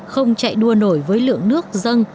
không chạy đua nổi với lượng nước dâng